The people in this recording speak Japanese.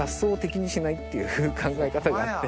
っていう考え方があって。